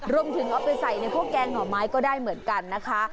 รวมไปถึงเอาไปใส่ในพวกแกงหน่อไม้ก็ได้เหมือนกันนะคะ